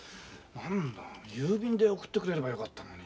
何だ郵便で送ってくれればよかったのに。